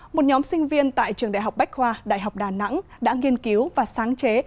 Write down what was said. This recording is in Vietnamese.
một nhóm sinh viên tại trường đại học bách khoa đại học đà nẵng đã nghiên cứu và sáng chế